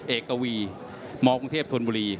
เอกวีมกรุงเทพธนบุรี